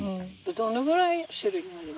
どのぐらい種類あるんですか？